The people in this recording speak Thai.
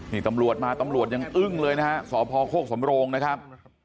นี่ตำรวจมาตำรวจยังอึ้งเลยนะฮะสพโคกสำโรงนะครับ